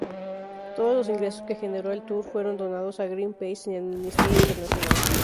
Todos los ingresos que generó el tour fueron donados a Greenpeace y Amnistía Internacional.